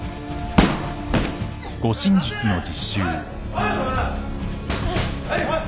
はい。